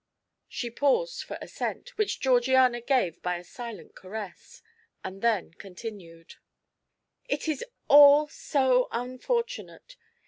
She paused for assent, which Georgiana gave by a silent caress, and then continued: "It is all so unfortunate.